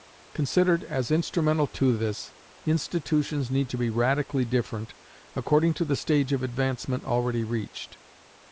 Considered as instrumental to this, institutions need to be radically different, according to the stage of advancement already reached.